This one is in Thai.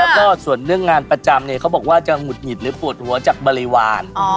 แล้วก็ส่วนเรื่องงานประจำเนี่ยเขาบอกว่าจะหงุดหงิดหรือปวดหัวจากบริวาร